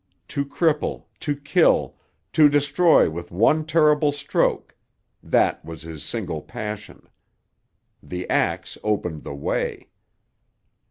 To cripple, to kill, to destroy with one terrible stroke—that was his single passion. The axe opened the way.